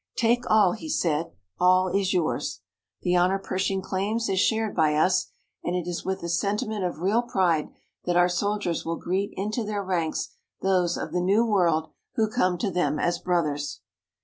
'Take all,' he said; 'all is yours.' The honor Pershing claims is shared by us, and it is with the sentiment of real pride that our soldiers will greet into their ranks those of the New World who come to them as brothers."